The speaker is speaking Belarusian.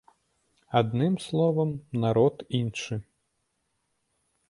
Адным словам, народ іншы.